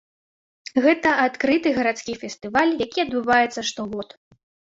Гэта адкрыты гарадскі фестываль, які адбываецца штогод.